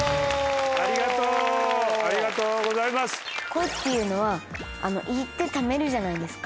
コイっていうのは胃ってためるじゃないですか。